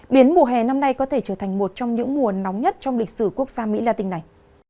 biến mùa hè năm nay có thể trở thành một trong những mùa nóng nhất trong lịch sử quốc gia mỹ latin này